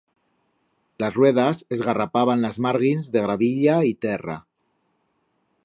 Las ruedas esgarrapaban las márguins de gravilla y terra.